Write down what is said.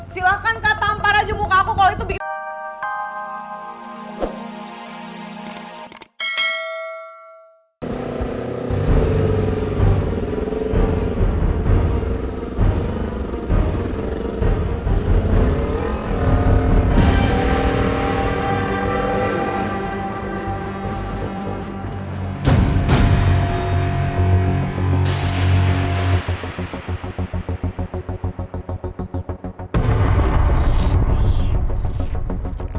silahkan kak tampar aja muka aku